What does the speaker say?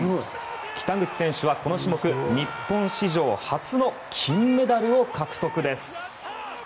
北口選手はこの種目日本史上初の金メダルを獲得です。